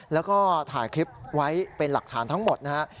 แล้วก็ถ่ายคลิปไว้เป็นหลักฐานทั้งหมดนะฮะ